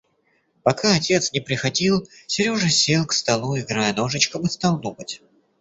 Пока отец не приходил, Сережа сел к столу, играя ножичком, и стал думать.